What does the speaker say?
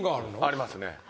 ありますね。